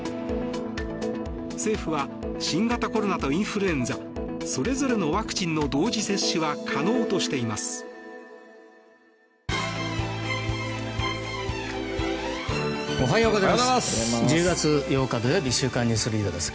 政府は新型コロナとインフルエンザそれぞれのワクチンの同時接種は可能としています。